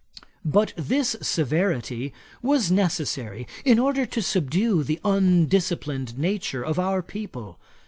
But this severity was necessary, in order to subdue the undisciplined nature of our people.